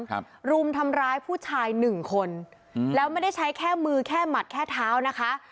รุมทำร้ายผู้ชายหนึ่งคนอืมแล้วไม่ได้ใช้แค่มือแค่หมัดแค่เท้านะคะ